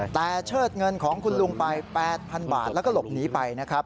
แต่เชิดเงินของคุณลุงไป๘๐๐๐บาทแล้วก็หลบหนีไปนะครับ